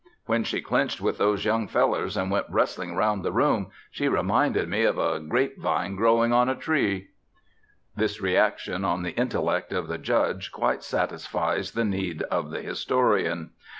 "When she clinched with those young fellers and went wrestling around the room she reminded me of a grape vine growing on a tree." This reaction on the intellect of the Judge quite satisfies the need of the historian.